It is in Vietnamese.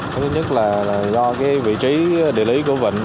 thứ nhất là do vị trí địa lý của vịnh